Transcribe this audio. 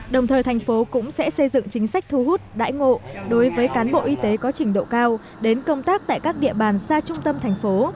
đồng thời thành phố cũng sẽ xây dựng chính sách thu hút đại ngộ đối với cán bộ y tế có trình độ cao đến công tác tại các địa bàn xa trung tâm thành phố